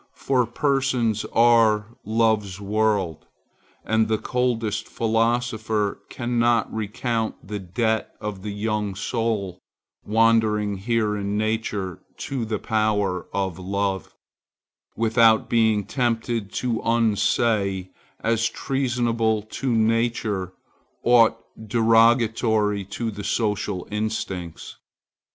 For persons are love's world, and the coldest philosopher cannot recount the debt of the young soul wandering here in nature to the power of love, without being tempted to unsay, as treasonable to nature, aught derogatory to the social instincts.